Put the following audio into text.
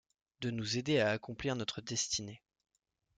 De nous aider à accomplir notre destinée.